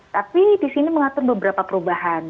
tapi di sini mengatur beberapa perubahan